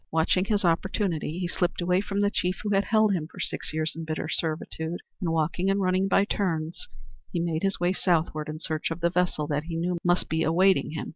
Watching his opportunity he slipped away from the chief who had held him for six years in bitter servitude, and walking and running by turns he made his way southward in search of the vessel that he knew must be awaiting him.